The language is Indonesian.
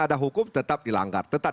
ada hukum tetap dilanggar tetap